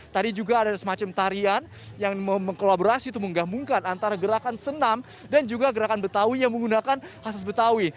tadi juga ada semacam tarian yang mengkolaborasi itu menggabungkan antara gerakan senam dan juga gerakan betawi yang menggunakan khas betawi